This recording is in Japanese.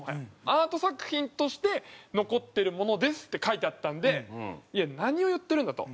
「アート作品として残ってるものです」って書いてあったんでいや何を言ってるんだと。